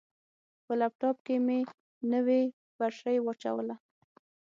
په لپټاپ کې مې نوې بطرۍ واچوله.